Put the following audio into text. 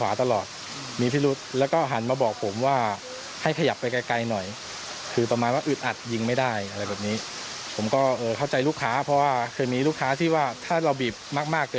อ่าต่อไปแล้วก็หลังจากนั้นก็เขายิงไปได้๔นัทเขาก็เริ่มแบบมีอาการนะครับ